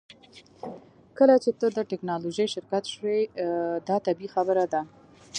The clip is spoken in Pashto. کله چې ته د ټیکنالوژۍ شرکت شوې دا طبیعي خبره ده